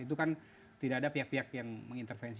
itu kan tidak ada pihak pihak yang mengintervensi